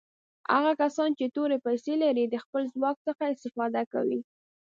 هغه کسان چې تورې پیسي لري د خپل ځواک څخه استفاده کوي.